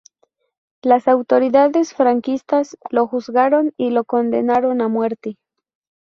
Las autoridades franquistas lo juzgaron y lo condenaron a muerte.